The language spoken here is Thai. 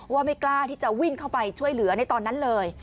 ไม่กล้าที่จะวิ่งเข้าไปช่วยเหลือในตอนนั้นเลย